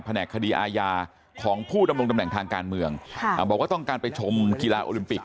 แหนกคดีอาญาของผู้ดำรงตำแหน่งทางการเมืองบอกว่าต้องการไปชมกีฬาโอลิมปิก